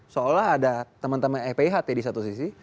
seolah ada teman teman fpiht di satu sisi